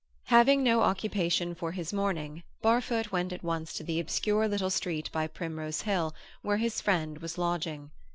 Having no occupation for his morning, Barfoot went at once to the obscure little street by Primrose Hill where his friend was lodging.